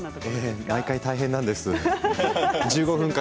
毎回、大変なんです。